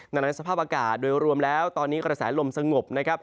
ดังนั้นสภาพอากาศโดยรวมแล้วตอนนี้กระแสลมสงบนะครับ